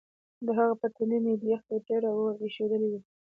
د هغه پر تندي مې د یخ ټوټې ور ایښودلې وې.